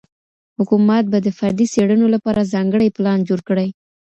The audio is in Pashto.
حکومت به د فردي څېړنو لپاره ځانګړی پلان جوړ کړي.